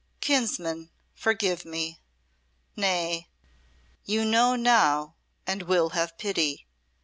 "Kinsman, forgive me! Nay, you know now and will have pity.